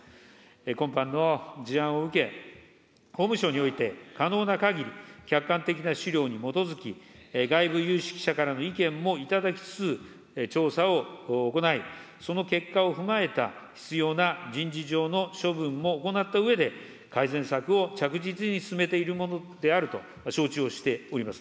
今般の事案を受け、法務省において、可能なかぎり客観的な資料に基づき、外部有識者からの意見もいただきつつ、調査を行い、その結果を踏まえた必要な人事上の処分も行ったうえで、改善策を着実に進めているものであると承知をしております。